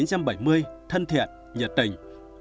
năm một nghìn chín trăm bảy mươi thân thiện nhiệt tình